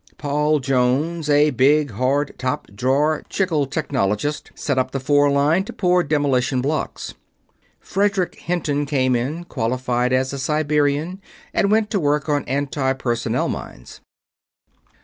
Paul Jones, a big, hard, top drawer chicle technologist, set up the Four line to pour demolition blocks. Frederick Hinton came in, qualified as a Siberian, and went to work on Anti Personnel mines.